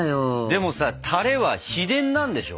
でもさたれは秘伝なんでしょ？